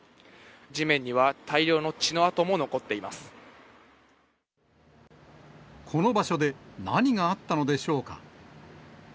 地面には大量の血の跡も残っていこの場所で、何があったのでしょうか。